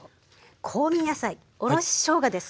香味野菜おろししょうがです。